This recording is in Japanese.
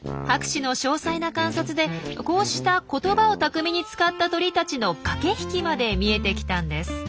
博士の詳細な観察でこうした言葉を巧みに使った鳥たちの駆け引きまで見えてきたんです。